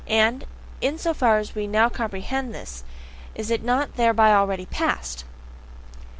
And, in so far as we now comprehend this, is it not thereby already past?